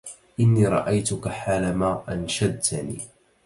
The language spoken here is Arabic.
إني رأيتك حالما أنشدتني